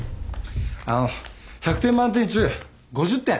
あの１００点満点中５０点。